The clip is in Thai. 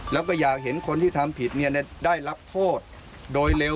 แล้วก็อยากเห็นคนที่ทำผิดได้รับโทษโดยเร็ว